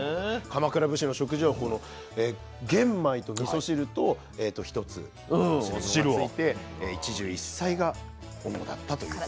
鎌倉武士の食事はこの玄米とみそ汁と一つおかずがついて「一汁一菜」が主だったという。